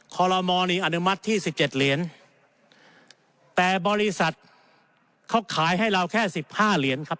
คอลโลมอนี่อนุมัติที่สิบเจ็ดเหรียญแต่บริษัทเขาขายให้เราแค่สิบห้าเหรียญครับ